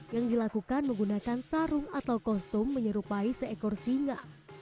yang dilakukan menggunakan sarung atau kostum menyerupai seekor singa